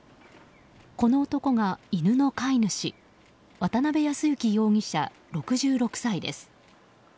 この男が、犬の飼い主渡辺保之容疑者、６６歳です。